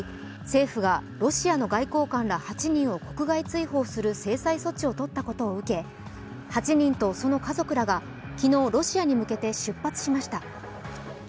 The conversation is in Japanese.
政府がロシアの外交官ら８人を国外追放する制裁措置をとったことを受け８人とその家族らが昨日、ロシアに向けて出発しました。